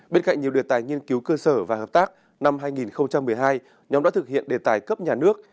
bên cạnh nhiều đề tài nghiên cứu cơ sở và hợp tác năm hai nghìn một mươi hai nhóm đã thực hiện đề tài cấp nhà nước